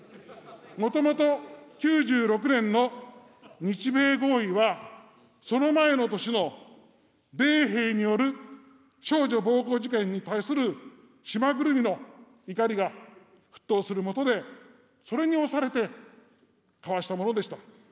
もともと９６年の日米合意は、その前の年の米兵による少女暴行事件に対する島ぐるみの怒りが沸騰するもとで、それに押されて交わしたものでした。